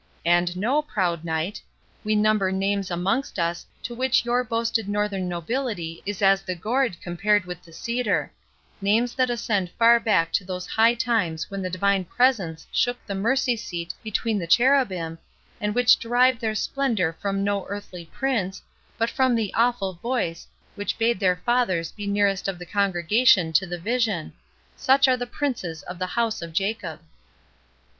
—And know, proud knight, we number names amongst us to which your boasted northern nobility is as the gourd compared with the cedar—names that ascend far back to those high times when the Divine Presence shook the mercy seat between the cherubim, and which derive their splendour from no earthly prince, but from the awful Voice, which bade their fathers be nearest of the congregation to the Vision—Such were the princes of the House of Jacob."